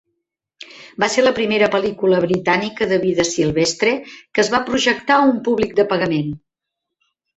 Va ser la primera pel·lícula britànica de vida silvestre que es va projectar a un públic de pagament.